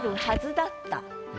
「だった」